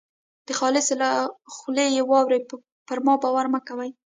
د خالص له خولې یې واورۍ پر ما باور مه کوئ.